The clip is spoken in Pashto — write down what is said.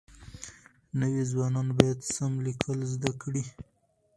نوي ځوانان بايد سم ليکل زده کړي.